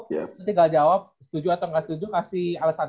yaudah kita giri langsung